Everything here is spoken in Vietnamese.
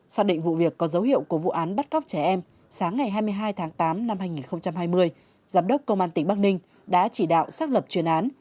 xác định vụ việc có dấu hiệu của vụ án bắt cóc trẻ em sáng ngày hai mươi hai tháng tám năm hai nghìn hai mươi giám đốc công an tỉnh bắc ninh đã chỉ đạo xác lập chuyên án